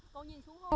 cô nhìn xuống không